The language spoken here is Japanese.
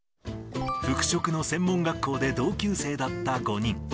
服職の専門学校で同級生だった５人。